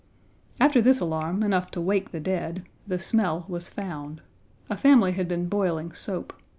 After this alarm, enough to wake the dead, the smell was found. A family had been boiling soap.